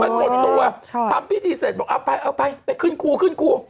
มันหมดตัวทำพิธีเสร็จบอกเอาไปเอาไปไปขึ้นครูขึ้นครู